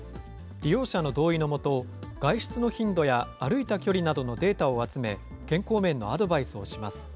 利用者の同意のもと、外出の頻度や歩いた距離などのデータを集め、健康面のアドバイスをします。